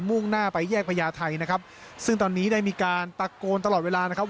่งหน้าไปแยกพญาไทยนะครับซึ่งตอนนี้ได้มีการตะโกนตลอดเวลานะครับ